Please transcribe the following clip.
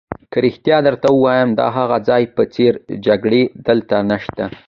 که رښتیا درته ووایم، د هغه ځای په څېر جګړې دلته نشته.